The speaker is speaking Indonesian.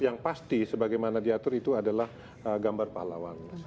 yang pasti sebagaimana diatur itu adalah gambar pahlawan